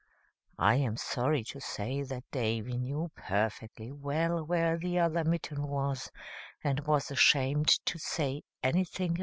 I am sorry to say that Davy knew perfectly well where the other mitten was, and was ashamed to say anything about it.